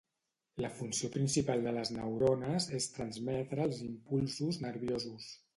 La funció principal de les neurones és transmetre els impulsos nerviosos.